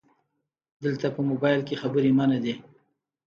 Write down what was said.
📵 دلته په مبایل کې خبري منع دي